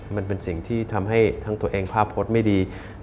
มันเป็นสิ่งที่ทำให้ทั้งตัวเองภาพพจน์ไม่ดี